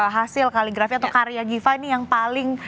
hasil kaligrafi atau karya giva ini yang paling